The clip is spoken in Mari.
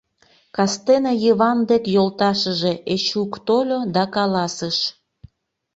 Кастене Йыван дек йолташыже Эчук тольо да каласыш: